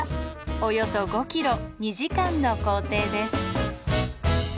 およそ５ｋｍ２時間の行程です。